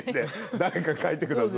誰か書いてください。